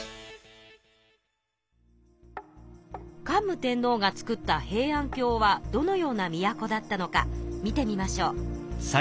桓武天皇がつくった平安京はどのような都だったのか見てみましょう。